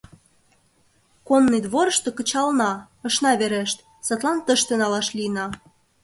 Конный дворышто кычална, ышна верешт, садлан тыште налаш лийна.